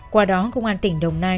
qua đó công an tỉnh đồng nai